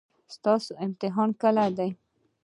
ستاسو امتحان کله دی؟